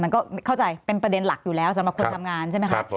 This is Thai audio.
มันก็เข้าใจเป็นประเด็นหลักอยู่แล้วสำหรับคนทำงานใช่ไหมครับ